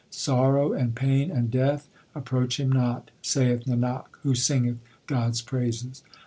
Sorrow and pain and Death approach him not, Saith Nanak, who singeth God s praises.